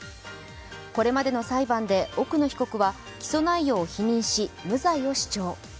これまでの裁判で奥野被告は起訴内容を否認し、無罪を主張。